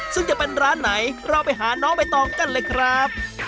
ซึ่งจะเป็นร้านไหนเราไปหาน้องใบตองกันเลยครับ